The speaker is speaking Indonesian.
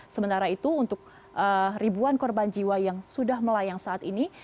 sementara itu untuk ribuan korban jiwa yang sudah melayang saat ini